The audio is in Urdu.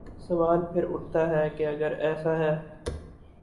سوال پھر اٹھتا ہے کہ اگر ایسا ہے۔